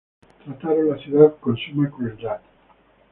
Trataron la ciudad con suma crueldad.